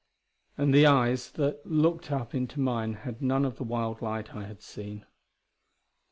And the eyes that looked up into mine had none of the wild light I had seen.